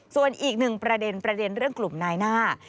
ส่วนอีกหนึ่งประเด็นประเด็นเรื่องกลุ่มนายหน้า